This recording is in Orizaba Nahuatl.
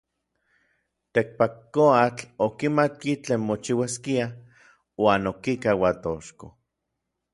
Tekpatkoatl okimatki tlen mochiuaskia uan okika Uatochko.